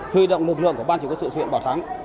huy động lực lượng của ban chủ nghĩa sự huyện bảo thắng